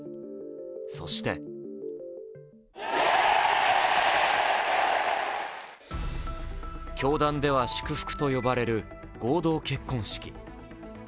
そして教団では祝福と呼ばれる合同結婚式。